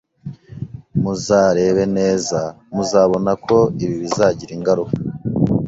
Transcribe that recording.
Muzarebe neza, muzabona ko ibi bizagira ingaruka: